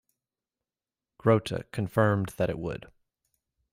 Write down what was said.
Grotte confirmed that it would.